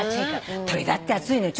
鳥だって暑いのよ。